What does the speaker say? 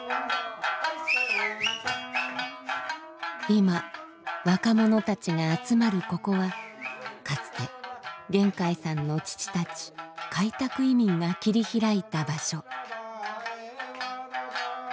今若者たちが集まるここはかつて源開さんの父たち開拓移民が切り開いた場所。